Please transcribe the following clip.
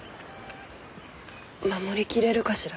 守りきれるかしら？